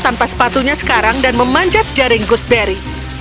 tanpa sepatunya sekarang dia memanjat jaring gooseberry